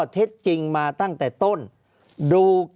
ภารกิจสรรค์ภารกิจสรรค์